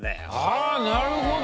あなるほど！